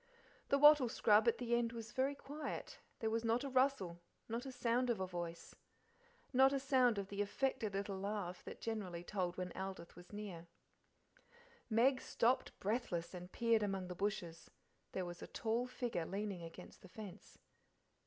The wattle scrub at the end was very quiet; there was not a rustle, not a sound of a voice, not a sound of the affected little laugh that generally told when Aldith was near. Meg stopped breathless, and peered among the bushes; there was a tall figure leaning against the fence.